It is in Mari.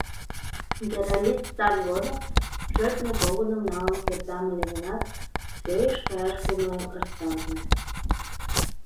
Империалист сар годым шӧртньӧ погоным налын кертам ыле гынат, сӧйыш каяш кумылем ыш савырне.